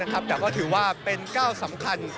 แต่ก็ถือว่าเป็นก้าวสำคัญ